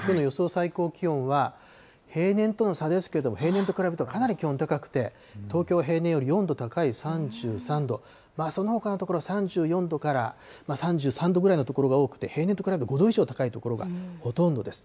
最高気温は平年との差ですけども、平年と比べると、かなり気温高くて、東京は平年より４度高い３３度、まあ、そのほかの所は３４度から３３度ぐらいの所が多くて、平年と比べると５度以上高い所がほとんどです。